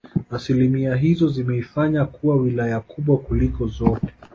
Asilimia hizo zimeifanya kuwa Wilaya kubwa kuliko zote